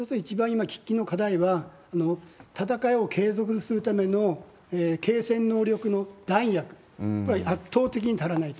今、喫緊の課題は、戦いを継続するためのけん制能力の弾薬、これ、圧倒的に足らない。